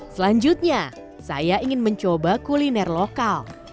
selanjutnya saya ingin mencoba kuliner lokal